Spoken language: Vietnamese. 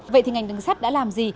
vậy thì ngành đường sắt đã làm gì